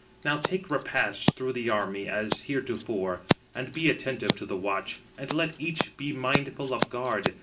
Now take repast through the army, as heretofore, and be attentive to the watch, and let each be mindful of guard.